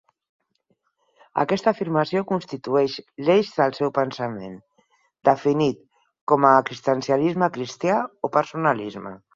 Aquesta afirmació constituïx l'eix del seu pensament, definit com a existencialisme cristià o personalisme.